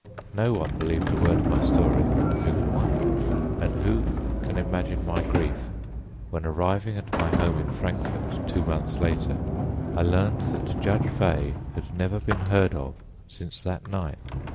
"No one believed a word of my story, and who can wonder? And who can imagine my grief when, arriving at my home in Frankfort two months later, I learned that Judge Veigh had never been heard of since that night?